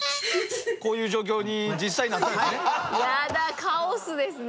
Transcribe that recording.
こういう状況に実際なったんやね。